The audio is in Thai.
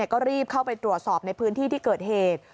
ก็รีบเข้าไปตรวจสอบในพื้นที่ที่เกิดเหตุ